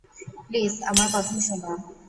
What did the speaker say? Please আমার কথা শোনো।